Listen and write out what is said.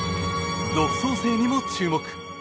独創性にも注目。